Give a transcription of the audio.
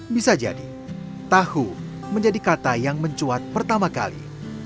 bisa jadi tahu menjadi kata yang mencuat pertama kali